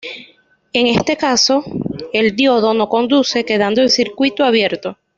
En este caso, el diodo no conduce, quedando el circuito abierto.